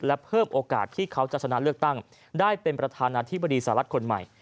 และเพิ่มโอกาสที่เขาจะชนะเลือกตั้งได้เป็นประธานาธิบดีสหรัฐคนใหม่